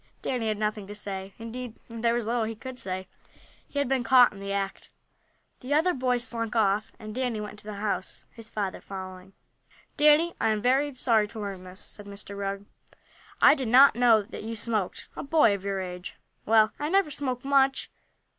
Danny had nothing to say, indeed, there was little he could say. He had been caught in the act. The other boys slunk off, and Danny went into the house, his father following. "Danny, I am very sorry to learn this," said Mr. Rugg. "I did not know that you smoked a boy of your age!" "Well, I never smoked much.